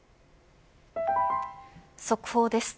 速報です。